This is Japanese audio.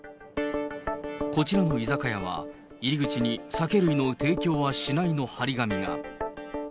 こちらの居酒屋は、入り口に酒類の提供はしないの貼り紙が。